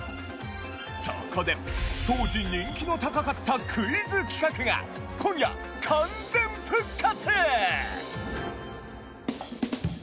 そこで当時人気の高かったクイズ企画が今夜完全復活！